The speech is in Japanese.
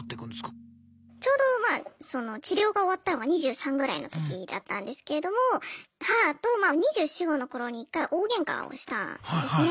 ちょうどまあその治療が終わったのが２３ぐらいの時だったんですけれども母とまあ２４２５の頃に一回大ゲンカをしたんですね。